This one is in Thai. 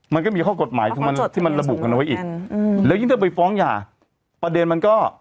มันก็มีข้อกฎหมายของมันที่มันระบุกันเอาไว้อีกแล้วยิ่งถ้าไปฟ้องหย่าประเด็นมันก็